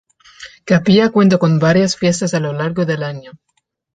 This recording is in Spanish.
Capilla cuenta con varias fiestas a lo largo del año.